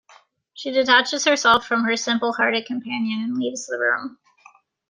She detaches herself from her simple-hearted companion and leaves the room.